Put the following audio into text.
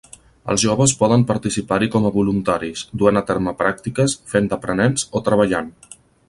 Els joves poden participar-hi com a voluntaris, duent a terme pràctiques, fent d'aprenents o treballant.